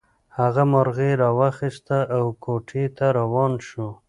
هغه مرغۍ راواخیسته او کوټې ته روان شو.